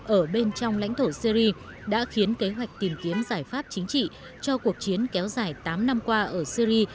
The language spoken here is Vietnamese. ở bên trong lãnh thổ syri đã khiến kế hoạch tìm kiếm giải pháp chính trị cho cuộc chiến kéo dài tám năm qua ở syri